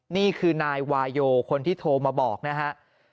นี่คือนายวาโยคนที่โทรมาบอกนะฮะ